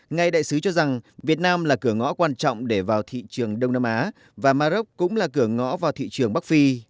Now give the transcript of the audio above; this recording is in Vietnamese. ngài đại sứ cho rằng việt nam là cửa ngõ quan trọng để vào thị trường đông nam á và maroc cũng là cửa ngõ vào thị trường bắc phi